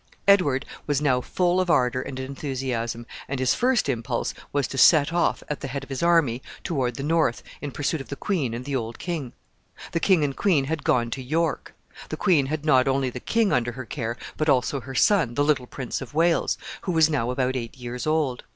Edward was now full of ardor and enthusiasm, and his first impulse was to set off, at the head of his army, toward the north, in pursuit of the queen and the old king. The king and queen had gone to York. The queen had not only the king under her care, but also her son, the little Prince of Wales, who was now about eight years old.